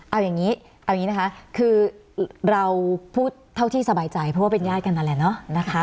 เอาอย่างนี้เอาอย่างนี้นะคะคือเราพูดเท่าที่สบายใจเพราะว่าเป็นญาติกันนั่นแหละเนาะนะคะ